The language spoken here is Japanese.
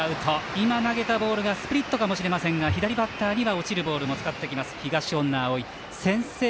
今投げたボールがスプリットかもしれませんが左バッターには落ちるボールも使ってきます。